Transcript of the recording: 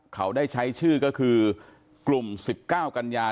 เขาได้ใช้ชื่อก็คือกลุ่มสิบเก้ากัญญา